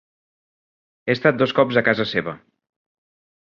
He estat dos cops a casa seva.